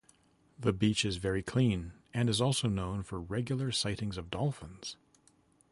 The beach is very clean and is also known for regular sightings of dolphins.